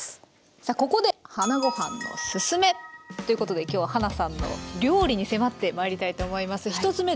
さあここでということで今日ははなさんの料理に迫ってまいりたいと思います。